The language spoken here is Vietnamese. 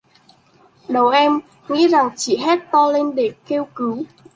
Đầu em nghĩ rằng chỉ hét to lên để kêu cứu